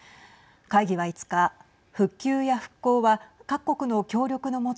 会議は５日復旧や復興は各国の協力の下